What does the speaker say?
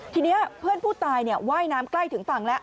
ทีนี้เพื่อนผู้ตายว่ายน้ำใกล้ถึงฝั่งแล้ว